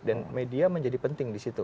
dan media menjadi penting di situ